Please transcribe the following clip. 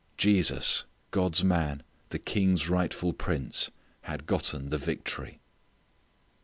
Jesus, God's Man, the King's rightful prince, had gotten the victory.